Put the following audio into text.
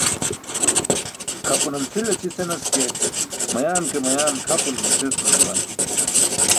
Kʰapunan cʰil aćʰi senas ke, mayan ke mayan kʰapunulo cʰil sum juwan.